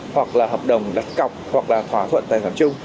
hoặc là hợp đồng đặt cọc hoặc là thỏa thuận tài sản chung